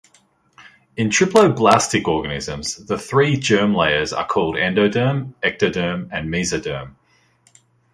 In triploblastic organisms, the three germ layers are called endoderm, ectoderm, and mesoderm.